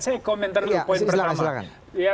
saya komentar dulu poin pertama